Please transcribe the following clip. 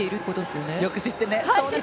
よく知ってるね！